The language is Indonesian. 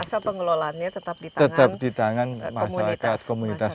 asal pengelolaannya tetap di tangan komunitas